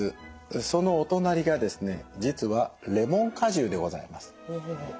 そのお隣がですね実はレモン果汁でございます。